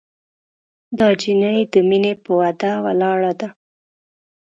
دا جینۍ د مینې پهٔ وعدو ولاړه ده